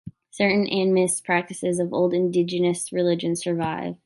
Certain animist practices of old indigenous religions survive.